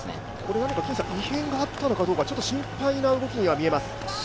何か異変があったのかどうか、ちょっと心配な動きには見えます。